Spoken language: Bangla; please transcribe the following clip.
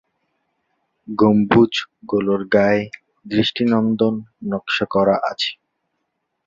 গম্বুজ গুলোর গায়ে দৃষ্টিনন্দন নকশা করা আছে।